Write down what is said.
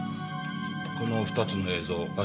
この２つの映像場所は？